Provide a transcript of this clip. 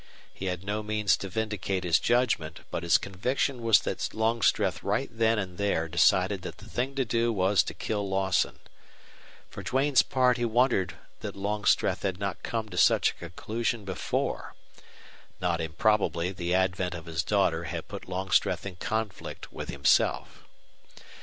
He had no means to vindicate his judgment, but his conviction was that Longstreth right then and there decided that the thing to do was to kill Lawson. For Duane's part he wondered that Longstreth had not come to such a conclusion before. Not improbably the advent of his daughter had put Longstreth in conflict with himself.